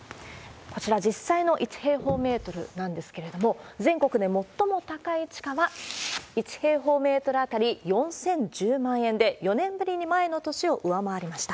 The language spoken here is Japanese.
こちら、実際の１平方メートルなんですけれども、全国で最も高い地価は１平方メートル当たり４０１０万円で、４年ぶりに前の年を上回りました。